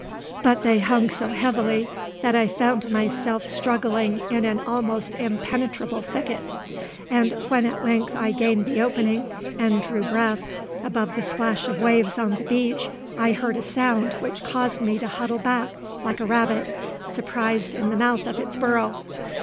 But they hung so heavily that I found myself struggling in an almost impenetrable thicket; and when at length I gained the opening, and drew breath, above the splash of waves on the beach I heard a sound which caused me to huddle back like a rabbit surprised in the mouth of its burrow.